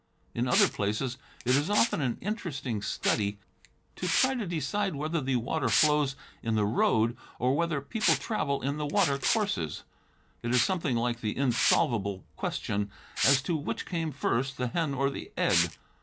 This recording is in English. In other places it is often an interesting study to try to decide whether the water flows in the road, or whether people travel in the watercourses. It is something like the insolvable question as to which came first, the hen or the egg.